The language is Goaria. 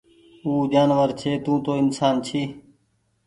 او جآنور ڇي توُن تو انسآن ڇي